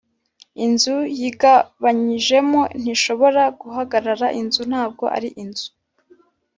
inzu yigabanyijemo ntishobora guhagarara inzu ntabwo ari inzu